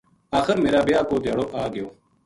آخر میرا بیاہ کو دھیاڑو آ گیو